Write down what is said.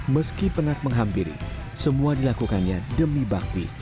meski penat menghampiri semua dilakukannya demi bakti